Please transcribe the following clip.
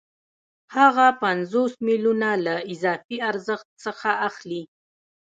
هغه پنځوس میلیونه له اضافي ارزښت څخه اخلي